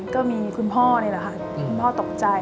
ก็มีคุณพ่อนี่แหละค่ะคุณพ่อตกใจ